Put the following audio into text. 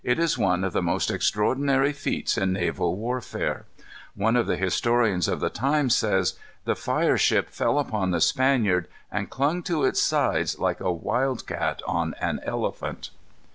It is one of the most extraordinary feats in naval warfare. One of the historians of the time says: "The fire ship fell upon the Spaniard, and clung to its sides like a wildcat on an elephant."